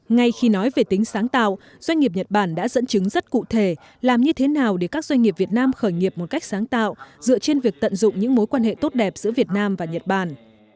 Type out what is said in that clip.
ngay khi nói về tính sáng tạo doanh nghiệp nhật bản đã dẫn chứng rất cụ thể làm như thế nào để các doanh nghiệp việt nam khởi nghiệp một cách sáng tạo dựa trên việc tận dụng những mối quan hệ tốt đẹp giữa việt nam và nhật bản